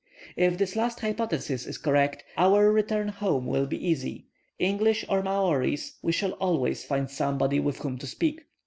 If this last hypothesis is correct, our return home will be easy. English or Maoris, we shall always find somebody with whom to speak.